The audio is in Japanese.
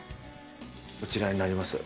こちらになります。